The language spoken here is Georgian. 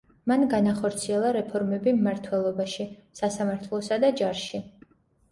მან განახორციელა რეფორმები მმართველობაში, სასამართლოსა და ჯარში.